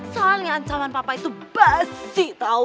soalnya ancaman papa itu basi tau